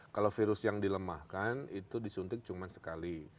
kalau virus yang dilemahkan itu disuntik cuma sekali